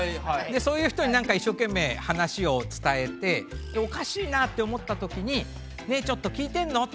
でそういう人になんか一生懸命話を伝えておかしいなって思ったときに「ねえちょっと聞いてんの？」って言う。